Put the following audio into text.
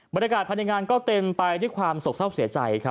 บรรยากาศพันธ์ในงานก็เต็มไปด้วยความศกเศร้าเสียใจ